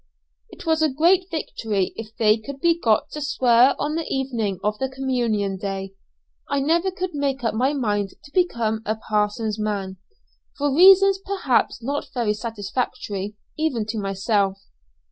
It was a great victory if they could be got to swear on the evening of the communion day: I never could make up my mind to become a "Parson's man," for reasons perhaps not very satisfactory, even to myself.